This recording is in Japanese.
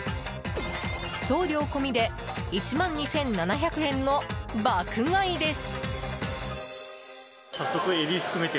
送料込みで１万２７００円の爆買いです！